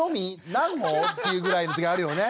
何号？っていうぐらいの時あるよね。